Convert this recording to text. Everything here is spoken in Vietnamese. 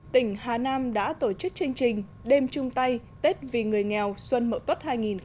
tỉnh hà nam đã tổ chức chương trình đêm trung tây tết vì người nghèo xuân mộ tốt hai nghìn một mươi tám